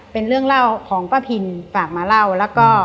เป็นเรื่องเล่าของป้าพินฝากมาเล่าแล้วก็